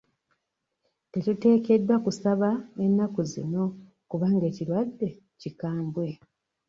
Tetuteekeddwa kusaba ennaku zino kubanga ekirwadde kikambwe.